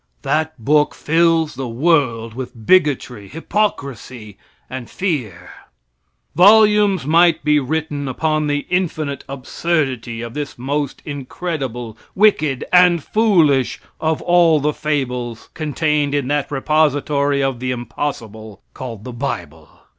That book fills the world with bigotry, hypocrisy and fear. Volumes might be written upon the infinite absurdity of this most incredible, wicked and foolish of all the fables contained in that repository of the impossible, called the bible.